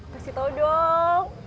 kasih tau dong